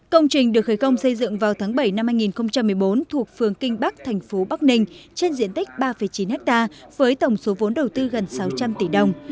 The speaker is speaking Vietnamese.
công trình được khởi công xây dựng vào tháng bảy năm hai nghìn một mươi bốn thuộc phường kinh bắc thành phố bắc ninh trên diện tích ba chín ha với tổng số vốn đầu tư gần sáu trăm linh tỷ đồng